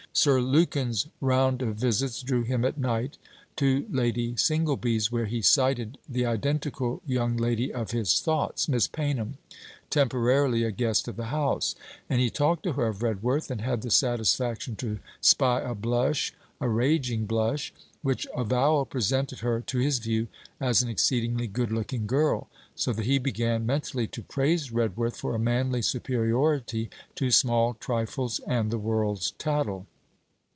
Sir Lukin's round of visits drew him at night to Lady Singleby's, where he sighted the identical young lady of his thoughts, Miss Paynham, temporarily a guest of the house; and he talked to her of Redworth, and had the satisfaction to spy a blush, a rageing blush: which avowal presented her to his view as an exceedingly good looking girl; so that he began mentally to praise Redworth for a manly superiority to small trifles and the world's tattle.